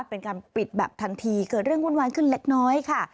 เป็นการปิดแบบทันทีเกิดเรื่องวุ่นวายขึ้นเล็กน้อยค่ะ